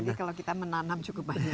jadi kalau kita menanam cukup banyak